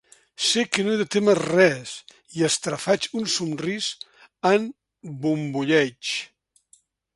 Sé que no he de témer res i estrafaig un somrís en bombolleig.